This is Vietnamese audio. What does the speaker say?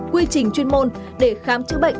quy trình chuyên môn để khám chữa bệnh